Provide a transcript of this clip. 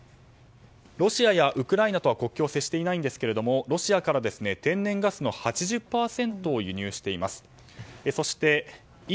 ロシアやウクライナとは国境を接していないんですがロシアから天然ガスの８０％を輸入しています。